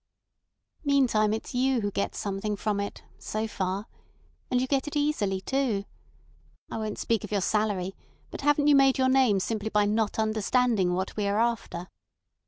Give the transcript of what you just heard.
"Meantime it's you who get something from it—so far. And you get it easily, too. I won't speak of your salary, but haven't you made your name simply by not understanding what we are after?"